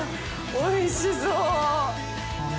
おいしそう。